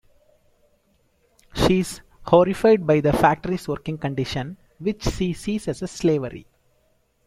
She's horrified by the factory's working conditions, which she sees as slavery.